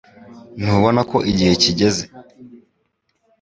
Ntubona ko igihe kigeze